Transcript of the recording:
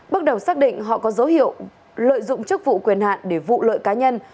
bước đầu xác định họ có dấu hiệu lợi dụng chức vụ quyền hạn để vụ lợi cá nhân